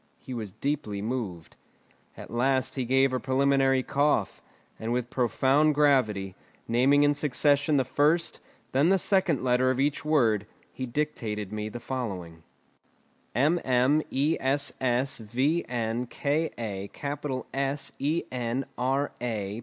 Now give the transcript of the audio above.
He was deeply moved. At last he gave a preliminary cough, and with profound gravity, naming in succession the first, then the second letter of each word, he dictated me the following: mmessvnkaSenrA.